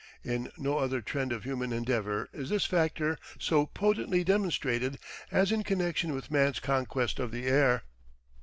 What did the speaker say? In no other trend of human endeavour is this factor so potently demonstrated as in connection with Man's Conquest of the Air.